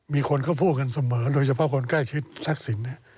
มีคนพูดกันเสมอโดยเฉพาะคนใกล้ชิดศักดิ์สิน